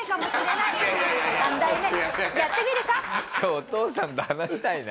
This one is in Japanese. お父さんと話したいな。